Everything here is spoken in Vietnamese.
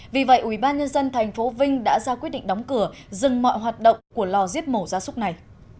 vì vậy ubnd tp vinh đã ra quyết định đóng cửa dừng mọi hoạt động của lò giếp mổ gia súc này